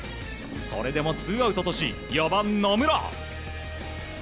それでもツーアウトとし４番、野村。